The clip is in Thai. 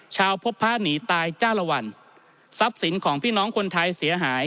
พบพระหนีตายจ้าละวันทรัพย์สินของพี่น้องคนไทยเสียหาย